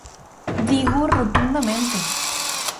Dígoo rotundamente.